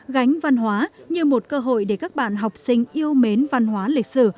gánh văn hóa như một cơ hội để các bạn học sinh yêu mến văn hóa lịch sử